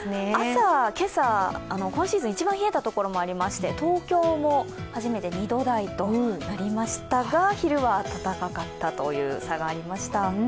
今朝、今シーズン一番冷えた所もありまして東京も初めて２度台となりましたが昼は暖かかったという差がありました。